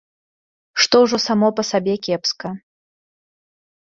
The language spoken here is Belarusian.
Што ўжо само па сабе кепска.